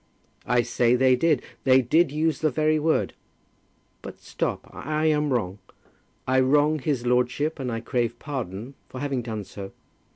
"I say they did; they did use the very word. But stop. I am wrong. I wrong his lordship, and I crave pardon for having done so.